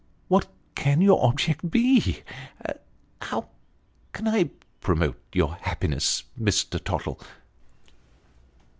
What can your object be ? How can I promote your happiness, Mr. Tottle?"